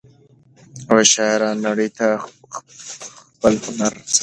شاعران نړۍ ته خپل هنر څرګندوي.